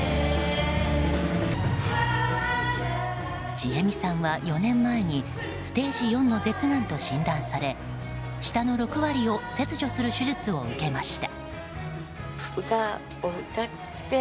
ちえみさんは４年前にステージ４の舌がんと診断され舌の６割を切除する手術を受けました。